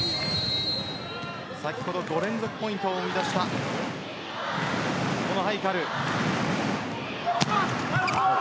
先ほど５連続ポイントを生み出したこのハイカル。